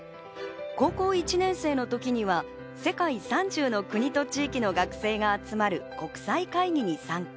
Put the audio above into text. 高校１年生の時には世界３０の国と地域の学生が集まる国際会議に参加。